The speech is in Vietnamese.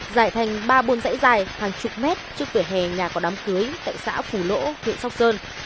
dài thành ba buồn dãy dài hàng chục mét trước tuổi hè nhà có đám cưới tại xã phủ lỗ huyện sóc sơn